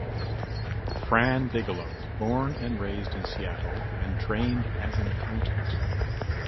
Fran Bigelow born and raised in Seattle and trained as an accountant.